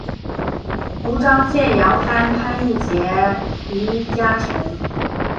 胡璋剑杨帆潘羿捷移佳辰